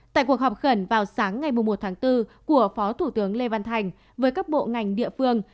tại cuộc họp khẩn vào sáng ngày một tháng bốn của phó thủ tướng lê văn thành với các bộ ngành địa phương